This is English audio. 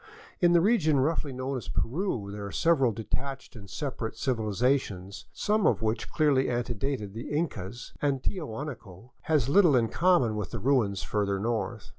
In the region roughly known as Peru there were several detached and separate civiHzations, some of which clearly antedated the Incas; and Tia 494 THE COLLASUYU, OR " UPPER " PERU huanaco has little in common with the ruins further north.